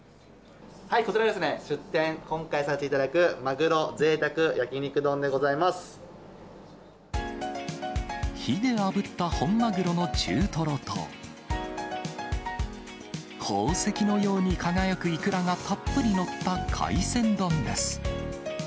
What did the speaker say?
こちら、出店、今回させていただく、火であぶった本マグロの中トロと、宝石のように輝くイクラがたっぷり載った海鮮丼です。